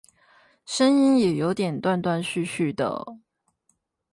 聲音也有點斷斷續續的